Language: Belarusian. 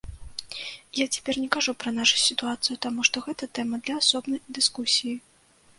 Я цяпер не кажу пра нашу сітуацыю, таму што гэта тэма для асобнай дыскусіі.